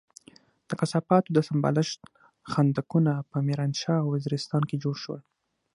د کثافاتو د سمبالښت خندقونه په ميرانشاه او وزيرستان کې جوړ شول.